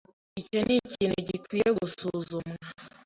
Icyo nikintu gikwiye gusuzumwa.